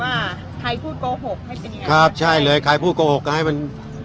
ว่าใครพูดโกหกให้เป็นยังไงครับใช่เลยใครพูดโกหกก็ให้มัน